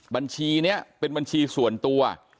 บัญชีนี้เป็นบัญชีส่วนตัว